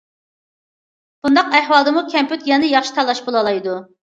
بۇنداق ئەھۋالدىمۇ كەمپۈت يەنىلا ياخشى تاللاش بولالايدۇ.